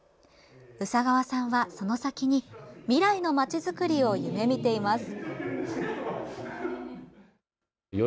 宇佐川さんは、その先に未来の町づくりを夢見ています。